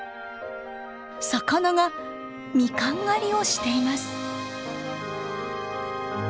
魚がミカン狩りをしています。